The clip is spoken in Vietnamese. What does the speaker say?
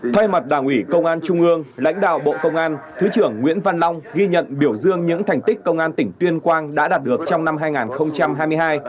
thay mặt đảng ủy công an trung ương lãnh đạo bộ công an thứ trưởng nguyễn văn long ghi nhận biểu dương những thành tích công an tỉnh tuyên quang đã đạt được trong năm hai nghìn hai mươi hai